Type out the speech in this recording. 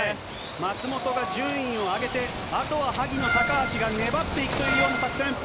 松元が順位を上げて、あとは萩野、高橋が粘っていくというような作戦。